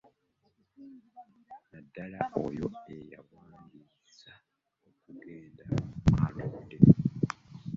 Naddala oyo eyeewandiisa okugenda alonde